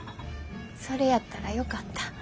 それやったらよかった。